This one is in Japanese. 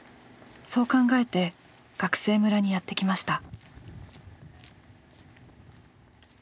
そう考えて学生村にやって来ました。